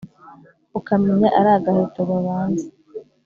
ukamenya ari agaheto babanze !